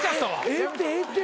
「ええってええって」